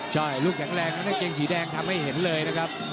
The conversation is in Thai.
ใช่ลูกแข็งแรงทั้งกางเกงสีแดงทำให้เห็นเลยนะครับ